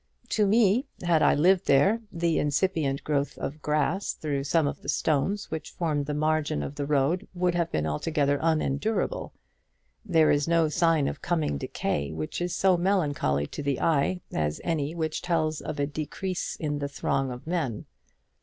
To me, had I lived there, the incipient growth of grass through some of the stones which formed the margin of the road would have been altogether unendurable. There is no sign of coming decay which is so melancholy to the eye as any which tells of a decrease in the throng of men.